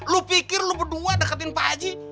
lu pikir lu berdua deketin pak aji